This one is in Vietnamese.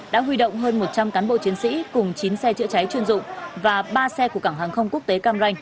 đã huy động hơn một trăm linh cán bộ chiến sĩ cùng chín xe chữa cháy chuyên dụng và ba xe của cảng hàng không quốc tế cam ranh